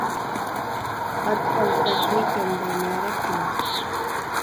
ئات ئالدىدا قوي كەينىدە، مەرەپ كېلۇر.